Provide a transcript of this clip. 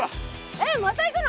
えっまた行くの？